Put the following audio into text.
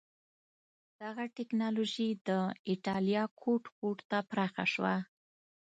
دغه ټکنالوژي د اېټالیا ګوټ ګوټ ته پراخه شوه.